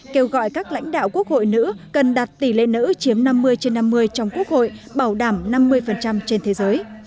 kêu gọi các lãnh đạo quốc hội nữ cần đặt tỷ lệ nữ chiếm năm mươi trên năm mươi trong quốc hội bảo đảm năm mươi trên thế giới